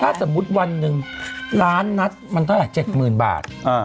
ถ้าสมมุติวันหนึ่งล้านนัดมันเท่าไหร่๗๐๐๐บาท